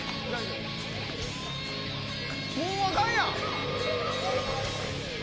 もうあかんやん！